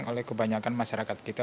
oleh kebanyakan masyarakat kita